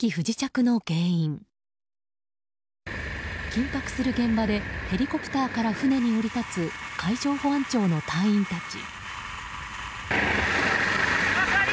緊迫する現場でヘリコプターから船に降り立つ海上保安庁の隊員たち。